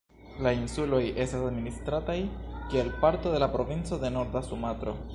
La insuloj estas administrataj kiel parto de la provinco de Norda Sumatro.